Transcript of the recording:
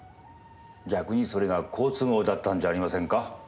逆にそれが好都合だったんじゃありませんか？